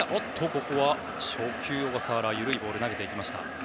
ここは初球、小笠原緩いボールを投げていきました。